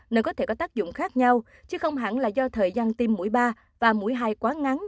nơi có thể có tác dụng khác nhau chứ không hẳn là do thời gian tim mũi ba và mũi hai quá ngắn